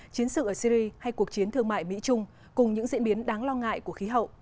chiến sự ở syri hay cuộc chiến thương mại mỹ trung cùng những diễn biến đáng lo ngại của khí hậu